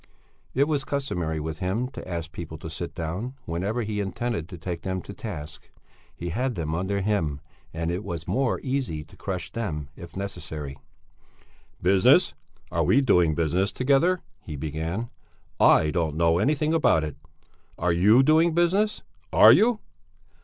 It was customary with him to ask people to sit down whenever he intended to take them to task; he had them under him, then, and it was more easy to crush them if necessary. "Business? Are we doing business together?" he began. "I don't know anything about it. Are you doing business? Are you?"